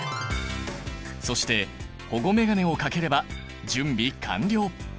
そして保護メガネをかければ準備完了。